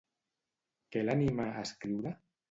Què l'anima a escriure?